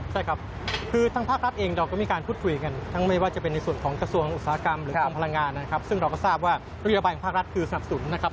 ซึ่งเราก็ทราบว่าธุริยบายของภาครัฐคือสนับสรุนนะครับ